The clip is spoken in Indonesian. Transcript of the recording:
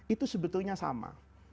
itu sebetulnya sama